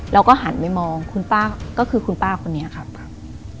เราก็หันไปมองคุณป้าก็คือคุณป้าคนนี้ครับครับ